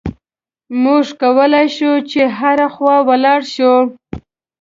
موږ کولای شو چې هره خوا ولاړ شو.